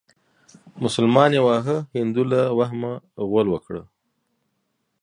مسلمان يې واهه هندو له وهمه غول وکړه.